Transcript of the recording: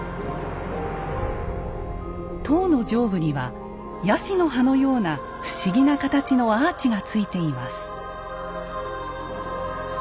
塔の上部にはやしの葉のような不思議な形のアーチが付いています。